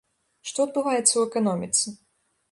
Што адбываецца ў эканоміцы?